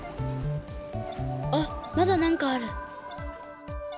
あっまだなんかある。